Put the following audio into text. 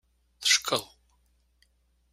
Teckeḍ.